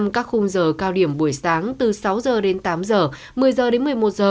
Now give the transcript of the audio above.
các khung giờ cao điểm buổi sáng từ sáu h đến tám h một mươi h đến một mươi một h